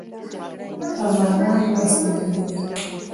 افغانان با استعداده دي